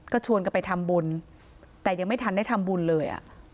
ก็ชวนกันไปทำบุญแต่ยังไม่ทันได้ทำบุญเลย